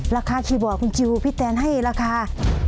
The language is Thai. คีย์บอร์ดคุณจิลพี่แตนให้ราคา